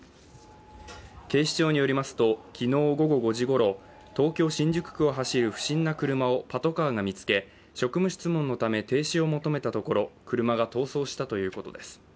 警視庁によりますと昨日午後５時ごろ東京・新宿区を走る不審な車をパトカーが見つけ職務質問のため停止を求めたところ車が逃走したということです。